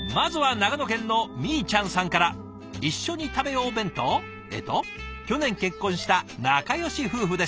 まずはえっと「去年結婚した仲よし夫婦です。